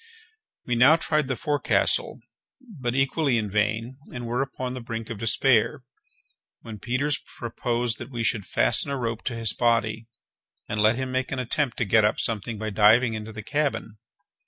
We now tried the forecastle, but equally in vain, and were upon the brink of despair, when Peters proposed that we should fasten a rope to his body, and let him make an attempt to get up something by diving into the cabin.